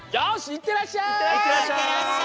いってらっしゃい！